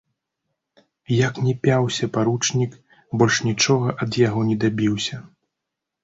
Як ні пяўся паручнік, больш нічога ад яго не дабіўся.